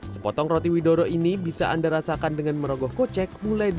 sepotong roti widoro ini bisa anda rasakan dengan merogoh kocek mulai dari